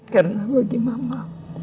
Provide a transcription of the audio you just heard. karena bagi mama